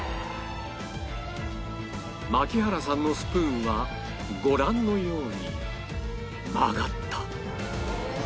槙原さんのスプーンはご覧のように曲がった